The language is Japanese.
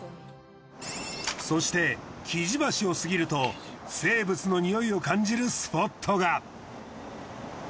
そして雉子橋を過ぎると生物のにおいを感じるスポットが。